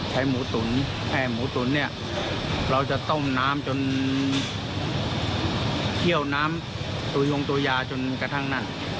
หมูตุ๋นหมูตุ๋นเนี่ยเราจะต้มน้ำจนเคี่ยวน้ำตัวยงตัวยาจนกระทั่งนั่น